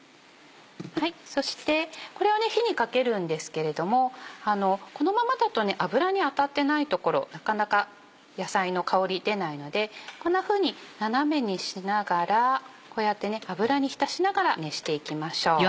そしてこれを火にかけるんですけれどもこのままだと油に当たってない所なかなか野菜の香り出ないのでこんなふうに斜めにしながらこうやって油に浸しながら熱していきましょう。